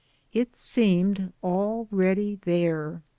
It seemed all ready there.